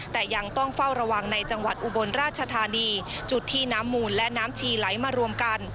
แต่ยังต้องเฝ้าระวังในจังหวัดอุบลราชธานีจุดที่น้ำมูลและน้ำชีไหลมารวมกัน